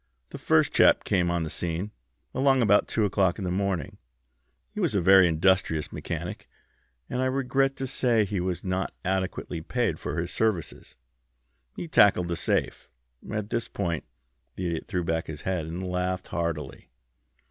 The first chap came on the scene, along about two o'clock in the morning. He was a very industrious mechanic, and I regret to say he was not adequately paid for his services. He tackled the safe." At this point the Idiot threw back his head and laughed heartily.